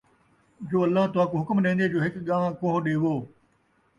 جو اللہ تُہاکوں حکم ݙیندے جو ہِک ڳاں کوہ ݙیوو،